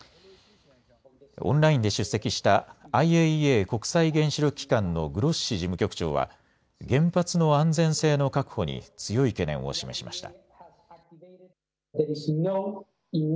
オンラインで出席したＩＡＥＡ・国際原子力機関のグロッシ事務局長は原発の安全性の確保に強い懸念を示しました。